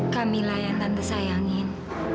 kamilah yang tante sayangin